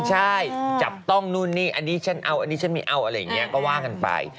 ใช่จับต้องนู่นนี่อันนี้ฉันเอาอันนี้ฉันไม่เอาอะไรอย่างนี้ก็ว่ากันไป